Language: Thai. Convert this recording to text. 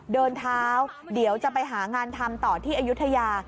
เดินเท้าเดี๋ยวจะไปหางานทำต่อที่อายุทยา